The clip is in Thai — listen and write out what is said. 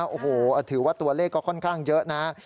โอ้โหถือว่าตัวเลขก็ค่อนข้างเยอะนะ